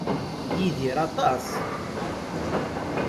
Yidir aṭas.